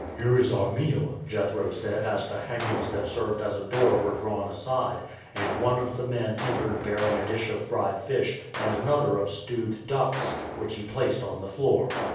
"Here is our meal," Jethro said as the hangings that served as a door were drawn aside, and one of the men entered bearing a dish of fried fish and another of stewed ducks, which he placed on the floor.